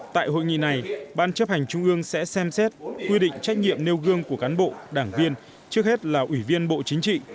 tại hội nghị này ban chấp hành trung ương sẽ xem xét quy định trách nhiệm nêu gương của cán bộ đảng viên trước hết là ủy viên bộ chính trị